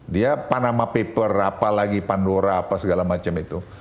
dia panama paper apalagi pandora apa segala macam itu